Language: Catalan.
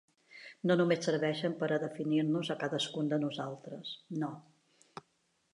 No només serveixen per a definir-nos a cadascun de nosaltres, no.